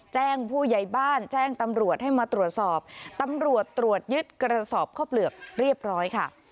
แจ้งผู้ใหญ่บ้านแจ้งตำรวจให้มาตรวจสอบตำรวจตรวจยึดกระสอบข้าวเปลือกเรียบร้อยค่ะ